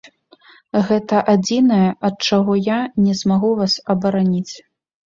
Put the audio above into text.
Гэта адзінае, ад чаго я не змагу вас абараніць.